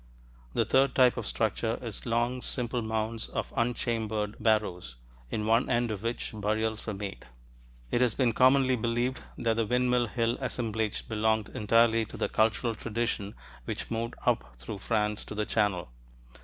The third type of structure is long simple mounds or "unchambered barrows," in one end of which burials were made. It has been commonly believed that the Windmill Hill assemblage belonged entirely to the cultural tradition which moved up through France to the Channel.